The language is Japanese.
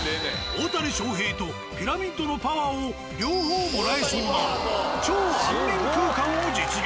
大谷翔平とピラミッドのパワーを両方もらえそうな超安眠空間を実現。